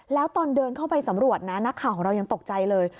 แล้วตอนเดินเข้าไปสำรวจนะนักข่าวของเรายังตกใจเลย